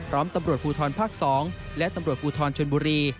ตำรวจภูทรภาค๒และตำรวจภูทรชนบุรี